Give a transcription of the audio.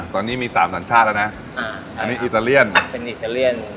ตอนนี้มีสามสัญชาติแล้วนะอันนี้อิตาเลียนเป็นอิตาเลียน